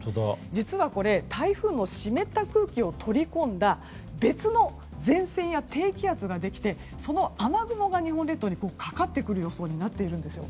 実はこれは台風の湿った空気を取り込んだ別の前線や低気圧ができてその雨雲が日本列島にかかってくる予想になっているんです。